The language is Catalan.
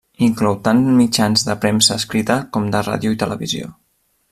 Inclou tant mitjans de premsa escrita com de ràtio i televisió.